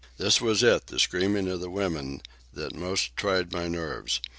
This it was, the screaming of the women, that most tried my nerves.